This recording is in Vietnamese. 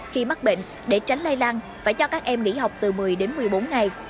khi mắc bệnh để tránh lây lan phải cho các em nghỉ học từ một mươi đến một mươi bốn ngày